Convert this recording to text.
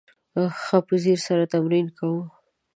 ښه په ځیر سره تمرین کوه !